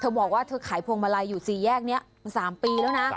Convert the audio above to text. บอกว่าเธอขายพวงมาลัยอยู่๔แยกนี้๓ปีแล้วนะ